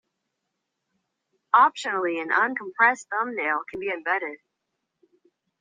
Optionally an uncompressed thumbnail can be embedded.